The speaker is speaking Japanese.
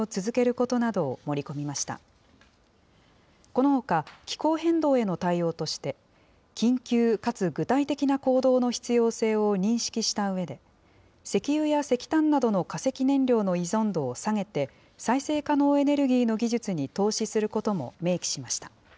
このほか、気候変動への対応として、緊急かつ具体的な行動の必要性を認識したうえで、石油や石炭などの化石燃料の依存度を下げて、再生可能エネルギーの技術に投資することも明記しました。